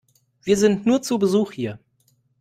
Wir sind nur zu Besuch hier.